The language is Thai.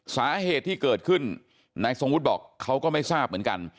สาเหตุที่เกิดขึ้นนายทรงวุฒิบอกเขาก็ไม่ทราบเหมือนกัน